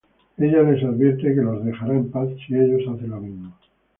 Ella les advierte que los dejara en paz si ellos hacen lo mismo.